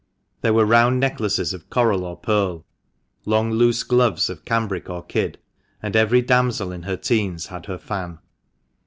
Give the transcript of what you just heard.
There were round necklaces of coral or pearl, long loose gloves of cambric or kid, and every damsel in her teens had her fan.